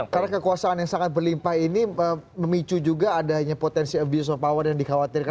karena kekuasaan yang sangat berlimpah ini memicu juga adanya potensi abuse of power yang dikhawatirkan